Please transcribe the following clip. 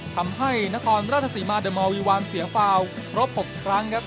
ทำให้นครราชสีมาเดอร์มอลวีวานเสียฟาวครบ๖ครั้งครับ